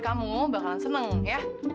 kamu bakalan seneng ya